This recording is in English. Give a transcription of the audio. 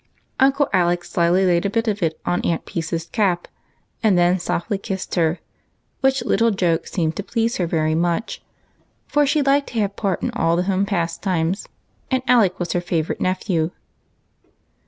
Uncle Alec slyly laid a bit of it on Aunt Peace's cap, and then softly kissed ler ; which little joke seemed to please her very much, for she liked to have part in all the home pastimes, and Alec was her favorite nephew.